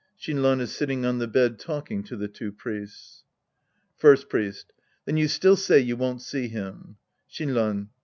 Shinran is sitting on the bed talk ing to the two Priests.) First Priest. Then you still say you won't see him. Shinran.